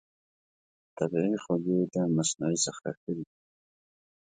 طبیعي خوږې د مصنوعي هغو څخه ښه دي.